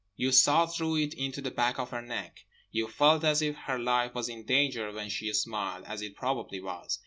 You saw through it into the back of her neck. You felt as if her life was in danger when she smiled, as it probably was.